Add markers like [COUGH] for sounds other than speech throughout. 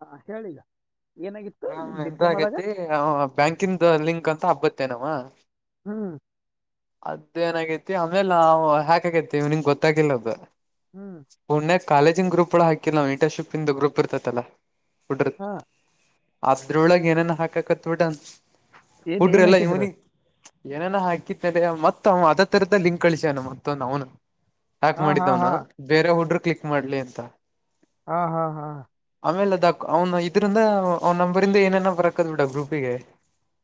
ಹಾ ಹೇಳಗ ಹ ಎಂತ ಆಗೇತಿ ಬ್ಯಾಂಕನ್ ಲಿಂಕ್ ಅಂತ ಹಬ್ಬತ್ತೇ ನವ ಹ್ಮ ಅದ ಏನಾಗೈತಿ ಆಮೇಲೆ ಹಾಕಗೈತಿ ಇವ್ನಿಂಗ ಗೊತ್ತಾಗಿಲ್ಲ ಅದು ಹ್ಮ್ ಪುಣೆಕ್ಸ್ ಕಾಲೇಜಿನ ಗ್ರೂ ಕೂ ಹಾಕಿಲ್ಲ ನವು ಇಂರ್ನ್ಶಿಪ್ ಇ ಗೂಪ್ ಇರ್ತಲ್ಲ ಹಾ ಅದ್ರೊಳಗ್ ಏನನ್ ಹಾಕಕತ್ ಬಿಟನ್ ಏನ್ ಏನ್ ಹಾಕಿದ್ರ ಏನನ ಹಾಕತ್ತಾರೆ ಮತ್ತ ಅದ ತರದ ಲಿಂಕ್ ಕಳಸ್ಯಾನ ಮ ಅವ್ನು ಹ್ಯಾಕ್ ಹಾ ಹಾ ಹಾ ಮಾಡಿದ್ದವನ ಬೇರೆ ಹುಡರು ಕ್ಲಿಕ್ ಮಾಡ್ಲಿ ಅಂತ ಹಾ ಹಾ ಹಾ ಆಮೇಲೆ ಅ ದಕ ಅವನು ಇದ್ರಂದ ಅವ್ ನಂಬರಿಂದ ಏನೇನ ಬರಕದ್ ಬಿಿಡ ಗ್ರೂಪಿಗೆ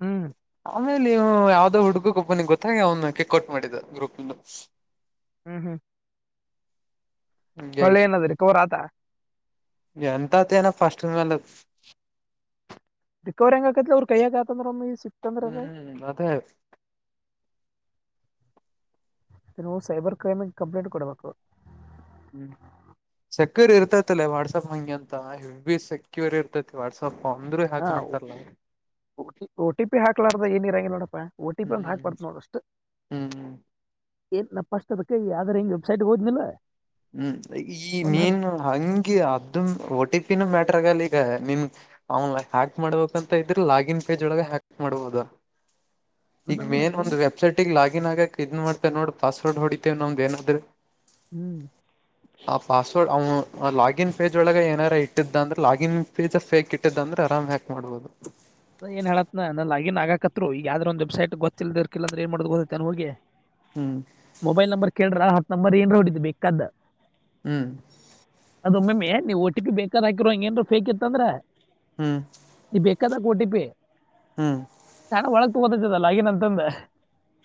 ಹ್ಮ್ ಆಮೇಲೆ ನೀ ಯಾವ್ದೋ ಹುಡುಗ ಒಬ್ಬನಿಿಗೆ ಗೊತ್ತಾಗಿ ಅವನ ಕಿಕ್ೌಟ್ ಮಾಡಿದ ಗ್ರೂಪ್ ಹ್ಮ್ ಹ್ಮ್ ಒಳ್ಳೆ ಏನದ್ರೀ ಕೋರ ಆತ ಎಂತತ ಏನ ಫಸ್ಟ್ ಮೇಲೆ ರಿಿಕವರಿ ಹಂಗ ಆಕತ್ ಅವ್ರ ಕೈಯ್ಯಕತಂದ್ರಮ್ಮ ಈ ಸಿಕ್ತಂದ್ರದ ಹ್ಮ್ ಅದೇ ಇದು ನೀವು ಸೈಬರ್ ಕ್ರೈಮಿಗೆ ಕಂಪ್ಲೇಂಟ್ ಕೊಡಬೇಕು ಹ್ಮ್ ಸೆಕ್ಯೂರಿ ಇರ್ತೈತಲ್ಲ ವಾಟ್ಸಪ್ ಹಂಗೆ ಅಂತ ಇ ಬಿ ಸೆಕ್ಯೂರಿ ಇರ್ತೈತಿ ವಾಟ್ಸಪ್ ಅಂದ್ರರು ಹಾಕಿ ಬಿಿಡ್ತಾರಲ್ಲ ಟಿ ಒ ಟಿ ಪಿ ಹಾಕ್ಲಾರ್ದ ಏನಿರಂಗೆ ನೋಡಪ್ಪಾ ಒ ಟಿ ಪಿ ಅಂದು ಹ್ಮ್ ಹಾಕ್ಬಾರತು ನೋಡಷ್ಟು ಹ್ಮ್ ಏನ್ ನ ಪಸ್ಟ್ ಅದ ಕೈ ಯ್ರ ಹಿಂಗ್ ವಬ್ಸೈಟ್ ಹೋದ್ನಿಲ್ಲ ಹ್ಮ್ ಈ ಒಂದ್ ಹತ್ತು ನೀನು ಹಂಗಗೆ ಅದ ಒಟ್ಟಿ ಮ್ಯಾಟ್ರರ್ ಆಗಲ್ಲ ಈಗ ನಿನ್ ಆನ್ಲನ್ ಹ್ಯಾಕ್ ಮಾಡ್ಬೇಕ ಅಂತ ಇದ್ರೆ ಲಾಗಿನ್ ಪೇಜ್ ಒಳಗ ಹ್ಯಾಕ್ ಮಾಡ್ಬೋುದು ಈಗ ಅರ್ಧನ್ ಕೂಡ ಮೇನ್ ಒಂದು ಹಂಗೇನೆ ವೆಬ್ಸೈಟಗ ಲಾಗಿನ್ ಆಗಕ್ ಇದ್ ಮಾಡ್ತ ನೋಡ ಪಾಸ್ವರ್ಡ್ ಹೊಡಿತೇವ ನಮ್ದ್ ಏನಾದ್ರೂ ಹ್ಮ್ ಆ ಪಾಸ್ವರ್ಡ್ ಅವ್ನು ಲಾಗಿನ್ ಪೇಜ್ ಒಳಗ ಏನಾರ ಇಟ್ಟಿದ್ದ ಅಂದ್ರೆ ಲಾಗಿನ್ ಪೇಜ್ ಫೇಕ್ ಇಟ್ಟ್ದ ಅಂದ್ರೆ ಆರಾಮ್ ಯಾಕೆ ಮಾಡ್ಬೋದು ನ ಏನ್ ಹೇಳತ್ ನ ಅ ಆಗನ್ ಆಗಕತ್ರು ಈಗಾವದ್ರ ಒಂದು ವೆಬ್ಸೈಟ್ ಗತ್ತಿಲ್ಲದರ್ಿಲ್ಲ ಅ್ರ ಏನ್ ಮಾಡದು ಗೊತ್ತ ನ ಹೋಗಿ ಹ್ಮ್ ಮೊಬೈಲ್ ನಂಬರ್ ಕೇಳ್ರ ಹತ್ ನಂಬರ್ ಏನ್ರ ಹೊಡಿದ್ದು ಬೇಕದ್ದ ಹ್ಮ್ ಅದೊಮ್ಮಿ ನೀವು ಒಟ್ಟಿಗೆ ಬೇಕಾದ ಹಾಕಿರ ಹಂಗೇಏನ್ ಕ ಇತ್ತಂದ್ರೆ ಹ್ಮ್ ಟಿ ಪಿ ಹ್ಮ್ ಚಣ ಒಳಗ್ ತಗೋತದಲ್ಲಾಗಿನ್ ಅಂತಂದ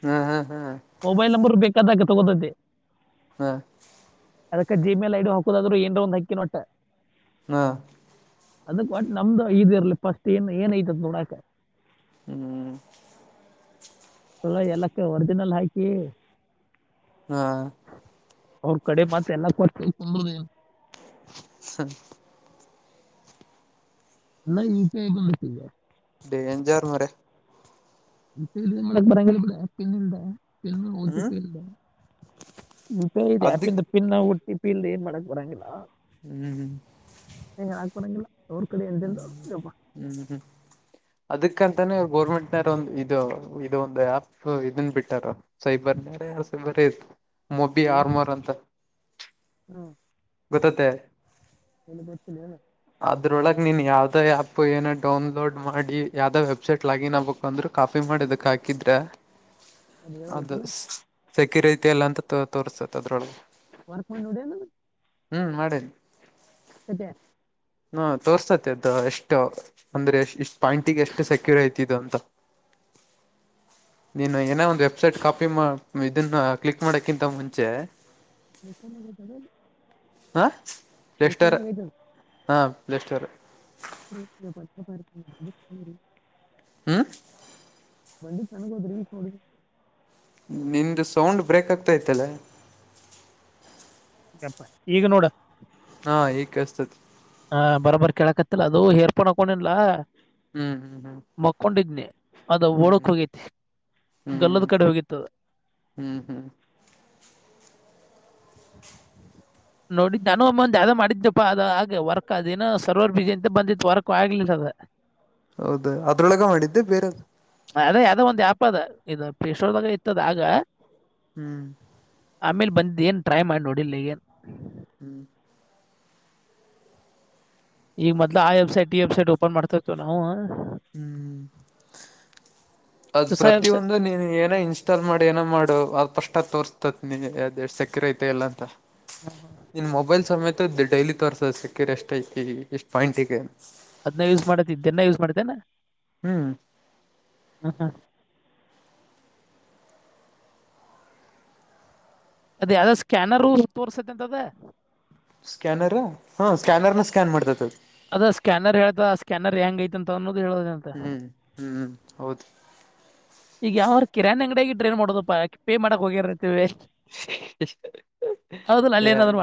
ಹ್ಮ್ ಹ್ಮ್ ಹ್ಮ್ ಕದಕ್ಕೆ ತಗೋತೆ ಹಾ ಅದಕ್ಕ ಜಿಮೇಲ್ ಐಡಿ ಹಾಕೋದಾದ್ರರು ಏನ್ರ ಒಂದು ಅಕ್ಕಿನೊಟ್ಟೆ ಹಾ ಅದಕ್ ಒಟ್ ನಮ್ದು ಇದದು ಇರ್ಲಿ ಫಸ್ಟ್ ಏನ್ ಏನಐತದ ನೋಡಕ ಹ್ಮ್ ಲ ಎಲ್ಲಕ್ಕ ಒರಿಜಿನಲ್ ಹಾಕಿ ಹಾ ಅವ ಕಡೆ ಮತ್ತ ಎಲ್ಲ ಕ ಕುಂಬ್ರನು ಸರಿ ನ ಯುಪಿ ಆಐ ಕತಿಗ ಡೇಂಜರ್ ಮರೆ ಇ ಇ ಬಿನ್ನ ಇ ಹ್ಮ್ ಪ ಟ್ಟ ಇದೆ ಅದಕ್ ಪಿನ್ನ ಟ್ಟ ಇ ಪ ಇ ಏನು ಮಾಡಳಕಬರಂಗಾ ಹ್ಮ್ ನೀ ಯಕ್ಕೆ ಬರಂಗ ಹ್ಮ್ ಹ್ಮ್ ಹ್ಮ್ ಅದಕ್ಕಂತ ಮಾನರು ಗೋರ್ಮೆಂಟ್ನಾರ ಒಂದು ಇದು ಇದದು ಒಂದು ಆ್ಯಪ್ ಇದನ್ನ ಬಿಟ್ಟಾರ ಸೈಬರ್ನಾರ ಸೈಬರ್ ಇ ಮೊಬ್ಬಿ ಏನ್ ಆರಮಾರ್ ಅಂತ ಹ್ಮ್ ಗೊತ್ತತ್ತೆ ಅದು ಇಲ್ಲಿ ಬರ್ತೀನಿ ಏನು ಅದ್ರೊಳಗೆ ನೀನ್ ಯಾವ್ದೋ ಆ್ಯಪ್ ಏನೋ ಡೌನ್ಲೋಡ್ ಮಾಡಿ ಯಾವ್ದೋ ವೆಬ್ಸಟ್ ಲಾಗಿನ್ ಆಗ್ಬಬೇಕು ಅಂದ್ರರು ಕಾಪಿ ಮಾಡಿ ದಕ್ಕೆ ಹಾಕಿದ್ರೆ ಅದು ಸಕಿ ರೀತಿಯ ಎಲ್ಲ ಅಂತ ತೋರ್ಸ್ತತ್ ಅದ್ರೊಳಗೆ ವರ್ಕ್ ಮಾಡ್ಡ ನ ಹ್ಮ್ ಮಾಡೇನ ಅದ ಹಾ ತೋರ್ಸ್ತತಿ ಅದದು ಎಷ್ಟ ಅಂದ್ರೆ ಇಷ್ಟ್ ಪಾಯಿಂಟಿಗೆ ಎಷ್ಟು ಸೆಕ್ಯೂರ್ ಐತಿಅಂತ [UNINTELLIGIBLE] ನೀನು ಏನ ಒಂದು ವೆಬ್ಸಟ್ ಕಾಪಿ ಇದನ್ನ ಕ್ಲಿಕ್ ಮಾಡಕ್ಕಿಂತ ಮುಂಚೆ ಕಸನ್ ಮ ಚದೆ ಹಾಂ ಪ್ಲೇಸ್ರ್ ಹಾಂ ಪ್ಲೇಸ್ರ್ ಎ ರೀ ಬ ಬತರಿ ಹ್ಮ ಬಂದ ತನಗ ಅದ ರೀಲ್ಸ್ ನೋಡ ನಿಮ್ದು ಸೌಂಡ್ ಬ್ರೇಕ್ ಆಗ್ತಾ ಇತ್ತಲ್ಲ ಗಂಪ ಈಗ ನೋಡ ಹಾ ಈಸತ ಹ ಬರೋಬರ್ ಕೆೇಳಕತ್ತಲ್ಲ ಅದು ಏರ್ಪೊಂಡ ಹಕೊಂಡಿಲ್ಲ ಹ್ಮ್ ಹ್ಮ್ ಹ್ಮ್ ಅದ ಓಡಕ್ ಹೋಗೈತಿ ಹ್ಮ್ ಗಲ್ಲದ ಕಡೆ ಹೋಗಿದೆ ಹ್ಮ್ ಹ್ಮ್ ಹ್ಮ್ ನೋಡಿದ್ದ ನಾನುಮ್ಮಂದ ಅ ಮಾಡಿದಪ್ಪಾ ಅ ಹಾಗೆ ವರ್ಕ್ ಅದೇಏನ ಸರ್ವರ್ ಬಿಸಿಿ ಅಂತ ಬಂದಿತ್ತು ವರ್ಕ್ ಆಗ್ಲಿಲ್ಲ ಅದ ಹೌದ ಅದ್ರೊಳಗ ಮಾಡಿದ್ದೆ ಬೇರೆದು ಅದೇ ಅದೋ ಒಂದ್ ಯ್ಯಾಪ್ ಅದ ಇದು ಪಶೋರ್ದಾಗ ಇತ್ತದ ಆಗ ಹ್ಮ್ ಆಮೇಲೆ ಬಂದ್ ಏನ್ ಟ್ರೈ ಮಾಡಿ ನೋಡಿಲ್ಲಿಲ್ಲ ಏನ್ ಹ್ಮ್ ಈಗ ಮದ್ ಆ ವಬ್ಸೈಟ್ ಈ ವೆಬ್ಸೈಟ್ ಓಪನ್ ಮಾಡ್ತಾ ಇತ್ತುವ ನಾವು ಹ್ಮ್್ಮ ಅದ್ ಸಾಹೇಬ್ ಸ ಪ್ರತಿಿಯೊಂದು ನೀನು ಏನೋ ಇನ್ಸ್ಟಾಲ್ ಮಾಡಿ ಏನೋ ಮಾಡು ಕಷ್ಟ ತೋರ್ಸ್ತತಿ ನೀ ಅ ಸೆಕ್ಯೂರ್ ಐತೆ ಇಲ್ಲ ಅಂತ ಇನ್ ಮೊಬೈಲ್ ಸಮೇತ ಮ ಡೈಲಿ ತೋರ್ಸೋಕ್ಕ ರೆಸ್ಟ್ ಐಕಿ ಎಷ್ಟ್ ಪಾಯಿಂಟ್ಿಗೆ ಅದ್ ಯೂಸ್ ಮಾಡತ ಇದ್ದೆನ ಯೂಸ್ ಮಾಡತೇನೆ ಹ್ಮ್ ಅದ ಯಾವ್ದ ಸ್ಕ್ಯಾನರು ತೋರ್ಸದ ಅಂತದ ಸ್ಕ್ಯಾನರ್ ಹಾ ಸ್ಕ್ಯಾನರ್ ನ ಸ್ಕ್ಯಾನ್ ಮಾಡ್ತತ ಅದ ಸ್ಕ್ಯಾನರ್ ಹೇಳ್ತ ಆ ಸ್ಕ್ಯಾನರ್ ಹೆ್ಯಾಂಗ್ ಐತೆ ಅಂತ ಅವನು ಹ್ಮ್ ಹ್ಮ್್ಮ್ ಹೌದು ಈಗ ಯಾವ ಕಿರಾಣಿ ಅಂಗಡ ಈ ಡ್ರೈನ್ ಮಾಡಡೋದು ಪೇ ಮಾಡಕಕ್ ಹೋಗ್ಯಾರ [INAUDIBLE] ಹೌದು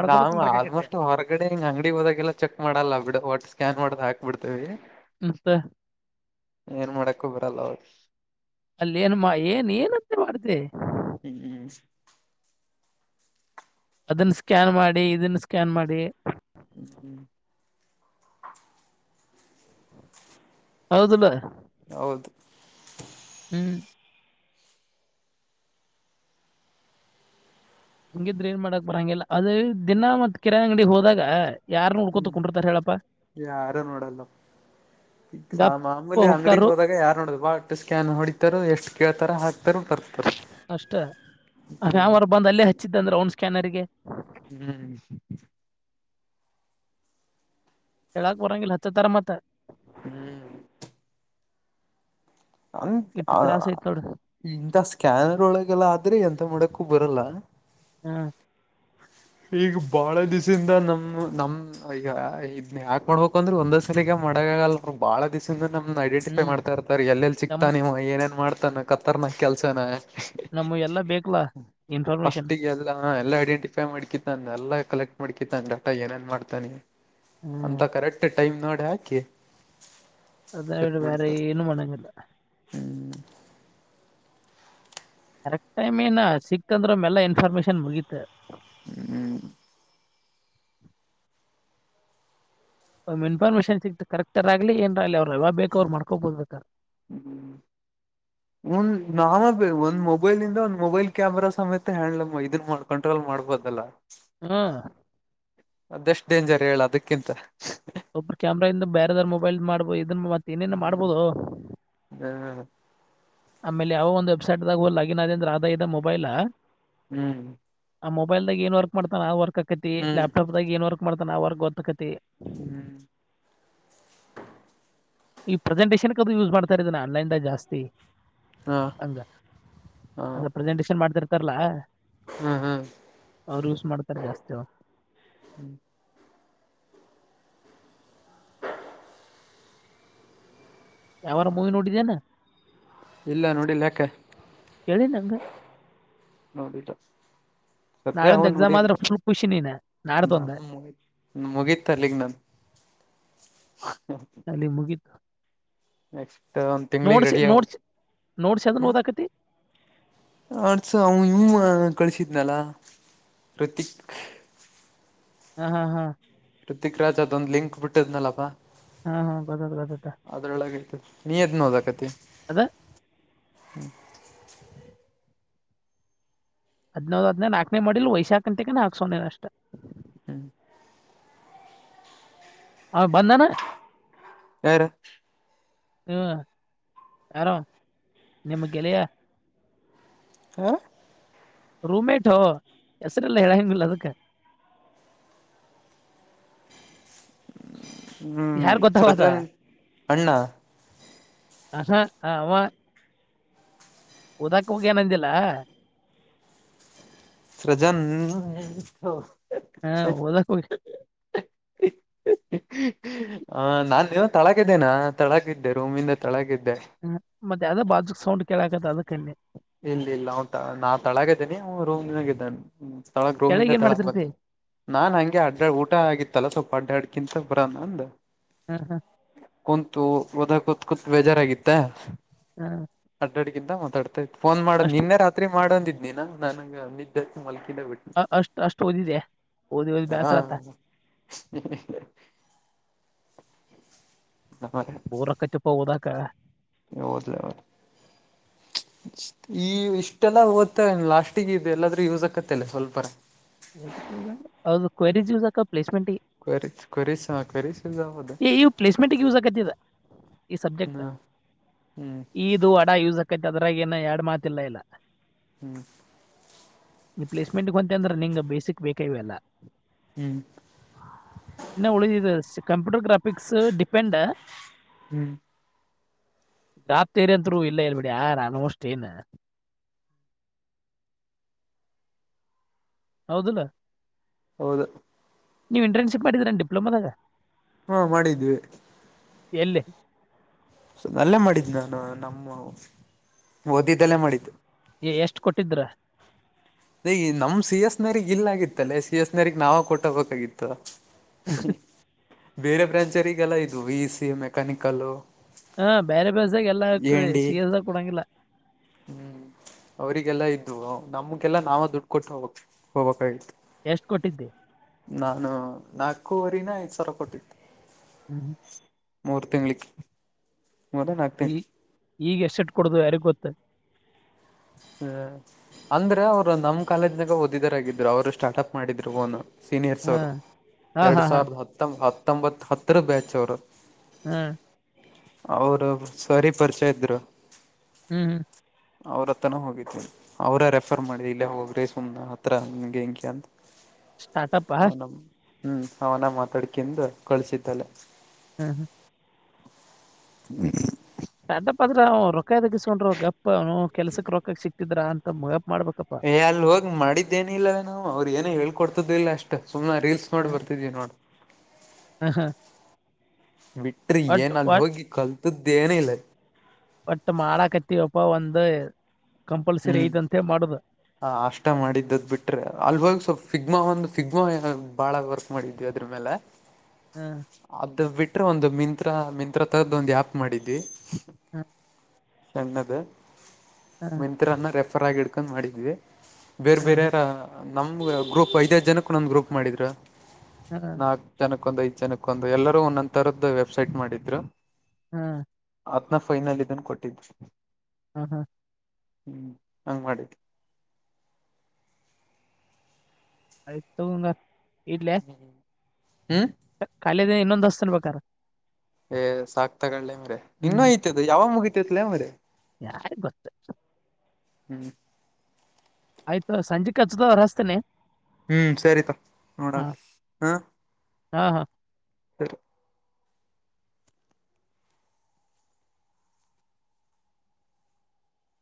ನಾ್ ಆಲ್ಮೋಸ್ಟ್ ಹೊರಗಡೆ್ ಅಂಗಡಿ ಹೋದಾಗೆಲ್ಲ ಚೆಕ್ ಮಾಡಲ್ಲ ಬಿಡ ಒಟ್ ಸ್ಕ್ಯಾನ್ ಮಾಡ್ದ ಬಿಡ್ತೇವಿ ಮತ್ತ ಏನ್ ಮಾಡಕ್ಕ ಬರಲ್ಲ ಅವ ಅಲ್ಲೇಏನ್ಮ್ಮ ಏನ್ ಏನಂತೆ ಮಾಡ್ದ ಹ್ಮ್್ಮ ಅದನ್ನ ಸ್ಕ್ಯಾನ್ ಮಾಡಿ ಇದನ್ನ ಸ್ಕ್ಯಾನ್ ಮಾಡಿ ಹ್ಮ್ಮ ಹೌದಲ್ಲ ಹೌದು ಹ್ಮ್ ಹಂಗಿದ್ರೆ ಏನ್ ಮಾಡಾಕ್ ಬರ ಹಂಗೆಲ್ಲ ಅದ ದಿನ ಮತ್ ಕಿರಾಣ್ ಅಂಗಡಿಿಗೆ ಹೋದಾಗ ಯಾರನ್ನ ಹುಡ್ಕೋತ ಹ್ಮ್ ಕುಂಡಿರ್ತಾರ ಹೇಳಪ್ಪ ಯಾರು ನೋಡಲ್ಲ ಈಗ ಗಪ್ಪ ಸಮೂಲಿ ಅಂಗಡಿಿಗೆ ಹೊಕ್ಕಾರು ಹೋದಾಗ ಯಾರ್ು ನೋಡ ಬಾಟ್ ಸ್ಕ್ಯಾನ್ ಹೊಡಿತಾರ ಎಷ್ಟು ಕೇಳ್ತಾರ ಹಾಗ ಅಷ್ಟ ಹಾವರ್ ಬಂದು ಅಲ್ಲೇ ಹಚ್ಚಿದ್ದ ಅಂದ್ರೆ ಅವನ್ ಸ್ಕ್ಯಾನರ್ಗೆ ಹ್ಮ್ ಹೇಳಾಕ್ ಬರಂಗಿಲ್ಲ ಹತ್ತ ತರ ಮತ್ತ ಹ್ಮ್ ಇಟ್ಟ ಅ ತ್ರಾಸ ಐತ್ ನೋಡ ಇಂಂತ ಸ್ಕ್ಯಾನರ್ ಒಳಗೆಲ್ಲ ಆದ್ರೆ ಎಂತ ಮಾಡಕ್ ಕ್ಕು ಬರಲ್ಲ ಹಾ ಈಗ ಬಾಳ ದಿವ್ಿಂದ ನಮ ನಮ್ ಈಗ ಇದ ಯಾಕ ಮಾಡ್ಬೇಕಂದ್ರೆ ಒಂದೊಂದ್ ಸಲಿಗೆ ಮಾಡ ಬಾಳ ದಿಸಸ ನಮ್ ಐಡೆಂಟಿಫೈ ಹ್ಮ್ ಮಾಡ್ತಾ ಇರ್ತಾರೆ ಎಲ್ಲೆಲ್ಲಿ ನಮ್ಮ ಚಕ್ತಾನ ನೀವ್ ಏನೇನ್ ಮಾಡ್ತಾನ ಕತ್ತರ್ನ ಕೆಲ್ಸನ ನಮ ಎಲ್ಲ ಬೇಕಲಾ ಇನ್ಫಾರ್ಮೇಶನ್ ಹಾ ಎಲ್ಲ ಐಡೆಂಟಿಫೈ ಮಾಡ್ಿತ್ತಾನೆ ಎಲ್ಲ ಕಲೆಕ್ಟ್ ಮಾಡಕಿತ್ತಾನ ಡಾಟ ಏನೇನ್ ಮಾಡ್ತಾನೆ ಹ್ಮ್ ಅಂತ ಕರೆಕ್ಟ್ ಟೈಮ್ ನೋಡಿ ಹಾಕಿ ಅಟ್ಟ ವರ ಏನು ಮಣಂಗಿಲ್ಲ ಹ್ಮ್ ಕರೆಕ್ಟ್ ಟೈಮ್ ನ ಸಿಕ್ತಂದ್ರ ಮೆಲ್ಲ ಇನ್ಫಾರ್ಮೇಶನ್ ಮುಗೀತ್ ಹ್ಮ್ ಒ್ ಇನ್ಫಾರ್ಮೇಶಷನ್ ಸಿಕ್ತು ಕರೆಕ್ಟ್ರ್ ಆಗ್ಲಿ ಏರಲಿ ಅವರು ಯಾವಾಗ ಬೇಕ ಅವ್ರು ಮಾಡ್ಕೋಬೋದುಬೇಕ ಒಂದ್ ನಾವ ಒಂದ್ ಮೊಬೈಲ್ ಇಂದ ಒಂದ್ ಮೊಬೈಲ್ ಕ್ಯಾಮರಾ ಸಮೇತ ಹ್ಯಾಂಡ್ಲ ಇದನ್ ಕಂಟ್ರೋಲ್ ಮಾಡ್ಬದಲ್ಲ ಹಾ ಅದೆಷ್ಟ ಡೇಂಜರ್ ಹೇಳ ಅದಕ್ಕಿಂತ ಒಬ್ಬ ಕ್ಯಾಮ್ರ ಇಂದ ಬೇರೆದಾರರ ಮೊಬೈಲ್ ಮಾಡ್ಬೋದು ಅದನ್ನು ಮತ್ತೆ ಇನೇನ್ ಹ್ಮ್ ಮಾಡ್ಬೋದು ಹ ಆಮೇಲೆ ಯಾವ ಒಂದು ವೆಬ್ಸೈಟಗ ಹೋ ಲಾಗಿನ್ ಆದ ಅಂದ್ರೆ ಆದಾಯ ಇದದ ಮೊಬೈಲ ಹ್ಮ್ ಆ ಮೊಬೈಲ್ದಾಗ ಏನ್ ವರ್ಕ್ ಮಾಡತಾನ ಆ ವರ್ಕ್ ಹ್ಮ್ ಆಕತಿಲ್ಯಾಪ್ಟಾಪ್ ದಾಗ ಏನ್ ವಕ್ ಮಾಡತನ್ ಆ ವರ್ ಗೊತ್ತಕತತಿ ಹ್ಮ್ ಈ ಪ್ರೆಸೆಟೇಶನ್ ಅದು ಯೂಸ್ ಮಾಡ್ತಾ ಇದೀನೆ ಆನ್ಲೈನಗ ಜಾಸ್ತಿ ಹಾ ಹಂಗ ಹಾ ಅ ಪ್ರೆಸೆಂಟೇಶನ್ ಮಾಡ್ತಿರ್ತಾರಲ್ಲ ಹ್ಮ್ ಹ್ಮ್ ಅವರು ಯೂಸ್ ಮಾಡ್ತಾರೆ ಜಾಸ್ತಿ ಅವ ಯಾವಾರ ಮೂವಿ ನೋಡಿದ್ದೇನಾ ಇಲ್ಲ ನೋಡಿಲ ಅಕ್ಕ ಕೇಳಿ ನಂಗ ನೋಡಿಲ್ಲ ಸತ್ಯ ನಾಳೊಂದ್ ಅವನು ಎಕ್ಸಾಮ್ ನೋಡಿದ್ ಆದ್ರ ಫುಲ್ ಖುಷಿ ನೀನ ನಾಡ್ದೊಂದ ನಾನು ಮುಗ ಮುಗೀತ ಅಲ್ಲಿಗ್ ನನ್ ಅಲ್ಲಿ ಮುಗಿತು ನೆಕ್ಸ್ಟ್ ಒಂದು ತಿಂಗಳಿಗೆ ರೆಡಿ ಆವು ನೋಡ್ಸಿ ನೋಡ್ಸಿ ಅದನ್ನ ಹ್ಮ್ ಓದಾಕತಿ ಆಟ್ಸ ಅವ ಇವು ಕಳಸಿದ್ನಲ್ಲ ಪ್ರತ್ತಕ್ ಹಾ ಹಾ ಹಾ ಪೃಥವಿಕ್ ರಾಜ್ ಅದೊಂದು ಲಿಂಕ್ ಬಿಟ್ಟದ್ನಲ್ಲಪ್ಪಾ ಹಾ ಹಾ ಗೊತ್ತಾತ ಗೊತ್ತಾತ ಅದ್ರೊಳಗೆೈತ ನೀ ಎದ್ ನೋದಕತಿ ಅದ ಹ್ಮ್ ಹದ್ದ್ ಹದ್ ನಾಲ್ಕನೇ ಮಾಡಿಲ್ಲ ವಯಸಾಕ ಅಂತಿಕ ನಾಲ್ಕ್ ಸಾವನೇ ಅಷ್ಟ ಹ್ಮ್ ಹ ಬಂದಾನ ಯಾರ ಹ್ಮ ಯಾರೋ ನಿಮ ಗೆಳಯ ಹ ರೂಮೇಟ್ ಹೋ ಹೆಸರಿಲ್ಲ ಹ ಹೆಂಗಿಲ್ಲ ಅದಕ್ಕೆ [INAUDIBLE] ಹ್ಞ ಗೊತ್ತಾವದ ಸೃಜನ್ ಅಣ್ಣ ಹ ಹ ಅವ ಉದಕ್ ಹೋಗ ಏನಂದಿಲ್ಲ ಸೃಜನ್ ಹಾ ಹೋದಕ ಹ ನಾನೇವ ತಳಗಿದ್ದೇನಾ ತಳಕಿದ್ದೆ ರೂಮಿಂದ ತಳಗಿದ್ದೆ ಹ್ಮ ಮತ್ತೆ ಯಾವದೋ ಬಾಜುಕ್ ಸೌಂಡ್ ಕೆೇಳ ಇಲ್ಲ ಇಲ್ಲ ಅವ ನಾ ತಳಗ ಇದ್ದೇನಿ ರೂಮ್ ದಿನಾಗ ಇದ್ದಾನ ಹ್ಮ ಸ್ಥಳ ಕೆಳಗ ರೂಮಿಂದ ಏನ್ ತಳ ಮಾಡ್ತಿರ್ತಿ ಬಂದ್ ನಾನ್ ಹಂಗೆ ಅಡ್ಡಾ ಊಟ ಆಗಿತ್ತು ತಲ ಸ್ವಲ್ಪ ಅಡ್ಡಾಡ್ [UNINTELLIGIBLE] ಬರಾನ ಅಂದ ಹ ಹ ಕುಂತು ಹದ ಕುತ್ ಬೇಜಾರಾಗಿತ್ತ ಹಾ ಅಡ್ಡಾಡ್ಗಿಂತ ಮಾತಾಡ್ತಾ ಇದ್ ಫೋನ್ ಮಾಡೋ ನಿನ್ನೆ ರಾತ್ರಿ ಮಾಡಂದಿದನ ನನೆ [UNINTELLIGIBLE] ಅಷ್ಟ್ ಅಷ್ಟು ಅಷ್ಟು ಓದಿದೆ ಓದಿ ಓದಿ ಹಾ ಬೇಸರ ಆತ ಹ್ಮ ಹೋದಕ ಕೂಟ್ಟಪ್ಪ ಹೋದಾಕ [UNINTELLIGIBLE] ಈ ಇಷ್ಟೆಲ್ಲ ಓದ್ತವೆ ಲಾಸ್ಟಗ ಇ ಎಲ್ಲಾದ್ರೂ ಯೂಸ್ ಆಕತ್ತಲ್ಲ ಸ್ವಲ್ಪರ [UNINTELLIGIBLE] ಪ್ಲೇಸ್ಮೆಂಟ್ಗೆ ಕ್ವೆರಿ ಕ್ವೆರೀಸ್ ಕ್ವೆರೀಸ್ ಯೂಸ್ ಆಗೋದು ಇವು ಪ್ಲೇಸ್ಮೆಂಟ್ಗೆ ಯೂಸ್ ಆಗತ್ತದ ಈ ಸಬ್ಜೆಕ್ಟ್ ಹ್ಮ ಹ್ಮ್ ಇದು ಅಡ ಇಕ ಅ ಈಗಿನ ಎರಡ್ ಮಾತಿಲ್ಲ ಇಲ್ಲ ಹ್ಮ್ ನೀ ಪ್ಲೇಸ್ಮೆಂಟ್ಗ್ ಹೊಂತ ಅಂದ್ರೆ ನಿಂಗ್ ಬೇಸಿಕ್ ಬೇಕೇವಲ್ಲ ಹ್ಮ್ ಇನ್ನ ಉಳಿದಿದೆ ಕಂಪ್ಯೂಟರ್ ಗ್ರಾಫ ಡಿಪೆಂಡ ಹ್ಮ್ ಗಾತೀರಿತ್ರು ಇಲ್ಲ ಇೇಬಿಡಿ ಆ ಅಲ್ಮೋಸ್ಟ್ ಏನ್ ಹೌದಲ್ಲ ಹೌದು ನೀವು ಇಂಟ್ರನ್ಶಿಪ್ ಮಾಡಿದರ ಡಿಪ್ಲೊಮದಾಗ ಹಾ ಮಾಡಿದ್ವಿ ಎಲ್ಲಿ ಸ ಅಲ್ಲೇ ಮಾಡಿದ್ದು ನಾನು ನಮ್ಮ ಓದಿದ್ದಲ್ಲೇ ಮಾಡಿದ್ದು ಎಷ್ಟು ಕೊಟ್ಟಿದ್ರ ನೇ ನಮ್ ಸಿ ಎಸ್ನರಿ ಇಲ್ಲ ಆಗಿತ್ತಲ್ಲೇ ಸಿ ಎಸ್ ನರಿಗ್ ನಾವ ಕೊಟ್ಟಬೇಕಾಗಿತ್ತು [INAUDIBLE] ಬೇರೆ ಬ್ರಾಂಚರಿಗೆಲ್ಲ ಇದು ವಿ ಸಿ ಮೆಕ್ಯಾನಿಕಲ್ ಹಾ ಬೇರೆ ಪಸ ಎಲ್ಲಾ ಏಂಡಿ ಸೀರಿಯಸಾ ಕುಡಂಗಿಲ್ಲ ಹ್ಮ್ ಅವರಿಗೆಲ್ಲಾ ಇದ್ವು ನಮ್ಗೆಲ್ಲ ನಾವ ದುಡ್ಡು ಕೊಟ್ಟು ಹೋಗ ಹೋಗ್ಾಗಿತ್ತು ಎಷ್ಟ್ ಕೊಟ್ಟಿದ್ದೆ ನಾನು ನಾಲ್ಕೂುವರಿನ ಐದ್ ಸಾವಿರ ಕೊಟ್ಟಿತ್ತು ಹ್ಮ್ ಮೂರು ತಿಂಳಿಕ್ ಮೊದ್ ಆಕ್ತೇನೆ ಈ ಈಗ ಎ ಸೆಟ್ ಕೊಡು ಯಾರಿಗ ಗೊತ್ತ ಹ್ಮ ಅಂದ್ರೆ ಅವ್ರು ನಮ್ ಕಾಲೇಜನಾಗ ಓದಿದರಾಗಿದ್ರು ಅವ್ರು ಸ್ಟಾರ್ಟ್ ಅಪ್ ಮಾಡಿದ್ರು ೋನ್ ಸೀನಿಯರ್ಸ್ ಹಾ ಅವರು ಹಾ ಹಾ ಎರಡು ಹಾ ಸಾವಿರದ ಹತ್ತಂಬ ಹತ್ತೊಂಬತ್ತು ಹತ್ತರ ಬ್ಯಾಚ್ ಅವರು ಹ್ಮ್ ಅವರು ಸರಿ ಪರಿಚಯ ಇದ್ರು ಹ್ಮ್ ಹ್ಮ್ ಅವ್ರ ಹತ್ರನ ಹೋಗತಿೀಿ ಅವ್ರ ರೆಫರ್ ಮಾಡಿ ಇಲ್ಲೇ ಹೋಗ್ರಿ ಸುಮ್ ಹತ್ರ ನಿಮಗೆ ಹೆಂಕಿ ಅಂತ ಸ್ಟಾರ್ಟಪ್ಪಾ ಅವನ ಹ್ಮ್ ಅವನ ಮಾತಾಡ್ಕಂದು ಕಳ್ಸಿದ್ದಲೆ ಹ್ಮ್ ಹ್ಮ್ ಹ್ಮ ಅದ್ರ ಅವ ರೊಕಾಯದಗಿಸಕೊಂಡ್ರ ಗಪ್ ಅವನು ಕೆಲ್ಸಕ್ಕೆ ರೊಕ ಸಿಕ್ಟ್ಟಿದ್ರ ಅಂತ ಗ ಏ ಅಲ್ಲಿ ಹೋಗ್ ಮಾಡಿದ್ದೇನ ಇಲ್ಲವ ನಾವು ಅವ್ರ ಏನ ಹೇಳ್ಕೊಡ್ತದ ಇಲ್ಲ ಸುಮನೆ ರೀಲ್ಸ್ ನೋಡಿ ಬರ್ತಿದೀವಿ ನೋಡ್ ಹ್ಮ ಹಾ ಬಿಟ್ರಿ ಏನ ಅಲ್ ಹೋಗಿ ಕಲ್ತದೇಏನ ಇಿಲ್ಲ ಬಟ್ ಮಾಡ ಕತ್ತವಪ್ಪ ಒಂದ ಕಂಪಲ್ಸರಿ ಹ್ಮ್ ಐದಂತ ಮಾಡುದು ಹ ಅಷ್ಟ ಮಾಡಿದ್ದ ಬಿಟ್ರೆ ಅಲ್ವಾಗ ಸ್ವಲ್ಪ್ ಸಿಿಗ್ಮಾ ಒಂದು ಸಿಿಗ್ಮಾ ಬಾಳ ವರ್ಕ್ ಮಾಡಿದ್ಯ ಇದ್ರ ಮೇಲೆ ಹ್ಮ್ ಅದು ಬಿಟ್ರೆ ಒಂದು ಮಿಂತ್ರ ಮಿಂತ್ರ ತರದ ಒಂದು್ ಆ್ಯಪ್ ಮಾಡಿದ್ವಿ ಹ್ಮ ಸಣ್ಣದ ಮಂತ್ರನ್ನ ರೆಫರ್ ಆಗಿ ಇಡ್ಕೊಂಡ್ ಮಾಡಿದೀವಿ ಬೇರೆ ಬೇರೆ ಹ್ಮ್ ಹ್ಮ್ ಯಾರ ನಮ್ ಗ್ರೂಪ್ ಐದೈದ್ ಜನಕ್ಕ ನಂದು್ ಗ್ರೂಪ್ ಮಾಡಿದ್ರ ಹ್ಮ್ ನಾಕ್ ಜನಕ್ಕ ಒಂದು್ ಐದ್ ಜನಕ್ಕ ಒಂದು ಎಲ್ಲರೂ ಒಂದೊಂದ್ ತರದ ವೆಬ್ಸೈಟ್ ಮಾಡಿದ್ರು ಹ್ಮ್ ಆತ್ನ ಫೈನಲ್ ಇದನ್ ಕೊಟ್ಟಿದ್ ಹ್ಮ್ ಹ್ಮ ಹ್ಮ್ ಹಂಗ್ ಮಾಡಿದ್ದ ಐತ ತೋಗ್ ಹ್ಮ್ ಕಖಾಲಿದ ಇನ್ನೊಂದ್ ಹಸ್ತನ ಬಕಾರ ಏ ಸಾಕ್ತಗಳ್ಳೆ ಮ್ರೆ ಇನ್ನೂ ಐತದ ಯಾವ ಮುಗಿತತ್ಲ ಮ್ರರಿ ಯಾರ ಗೊತ್ತ ಹ್ಮ್ ಆಯ್ತು ಸಂಜೆ ಹಚ್ಚದ ಹೊರ ಹಸ್ತೇನೆ ಹ್ಮ್ ಸರಿತ ನೋಡನಾ ಹಾ ಹಾ ಹ